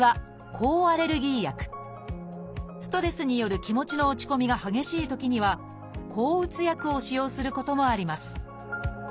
ストレスによる気持ちの落ち込みが激しいときには抗うつ薬を使用することもあります